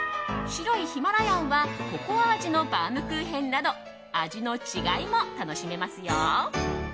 白いヒマラヤンはココア味のバウムクーヘンなど味の違いも楽しめますよ。